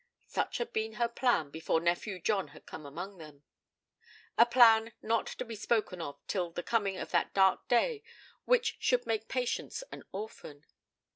Such had been her plan before nephew John had come among them a plan not to be spoken of till the coming of that dark day which should make Patience an orphan.